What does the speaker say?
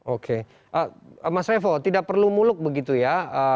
oke mas revo tidak perlu muluk begitu ya